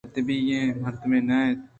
اے ادبی ایں مردم نہ اَنت